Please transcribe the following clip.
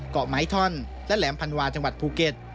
เกาะไม้ท่อนและแหลมพันวาจังหวัดภูเก็ต